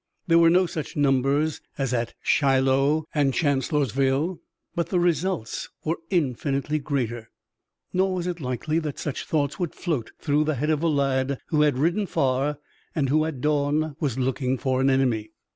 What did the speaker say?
There were no such numbers as at Shiloh and Chancellorsville, but the results were infinitely greater. Nor was it likely that such thoughts would float through the head of a lad who had ridden far, and who at dawn was looking for an enemy.